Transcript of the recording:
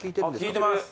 効いてます。